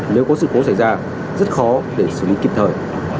nếu có sự cố xảy ra rất khó để xử lý kịp thời